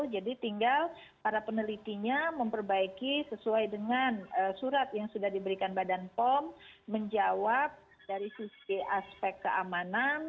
jadi tinggal para penelitinya memperbaiki sesuai dengan surat yang sudah diberikan badan pom menjawab dari sisi aspek keamanan